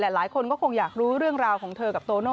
หลายคนก็คงอยากรู้เรื่องราวของเธอกับโตโน่